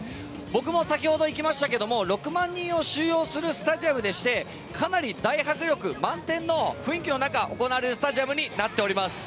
僕も先ほど行きましたが６万人を収容するスタジアムでしてかなり大迫力満点の雰囲気の中行われるスタジアムになっています。